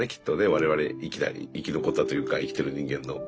我々生き残ったというか生きてる人間の。